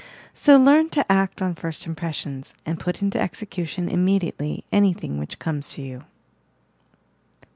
So learn to act on first impressions, and put into execution immediately anything which comes to you.